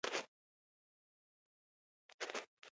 له دې ښاره بې ډونګه کوچېدل راته ناځواني ښکاره شوه.